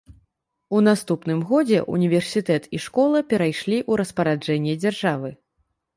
У наступным годзе ўніверсітэт і школа перайшлі ў распараджэнне дзяржавы.